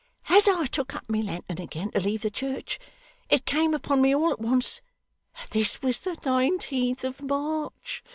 'As I took up my lantern again to leave the church, it came upon me all at once that this was the nineteenth of March.